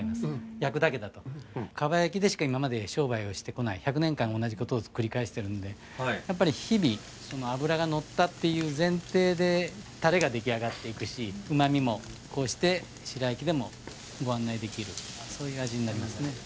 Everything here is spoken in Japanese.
焼くだけだと蒲焼きでしか今まで商売をしてこない１００年間同じことを繰り返してるのでやっぱり日々脂がのったっていう前提でタレが出来上がっていくし旨味もこうして白焼きでもご案内できるそういう味になりますね